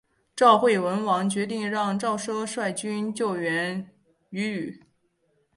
赵惠文王决定让赵奢率军救援阏与。